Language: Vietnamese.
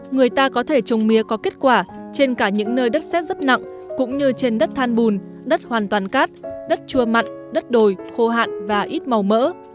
người ta có thể trồng mía có kết quả trên cả những nơi đất xét rất nặng cũng như trên đất than bùn đất hoàn toàn cát đất chua mặn đất đồi khô hạn và ít màu mỡ